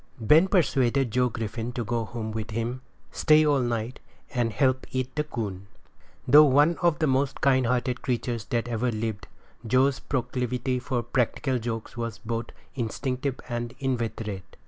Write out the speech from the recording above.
Ben persuaded Joe Griffin to go home with him, stay all night, and help eat the coon. Though one of the most kind hearted creatures that ever lived, Joe's proclivity for practical jokes was both instinctive and inveterate.